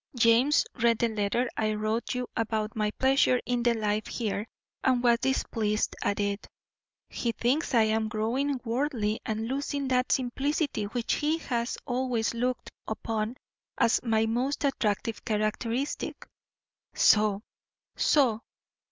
James read the letter I wrote you about my pleasure in the life here and was displeased at it. He thinks I am growing worldly and losing that simplicity which he has always looked upon as my most attractive characteristic. So! so!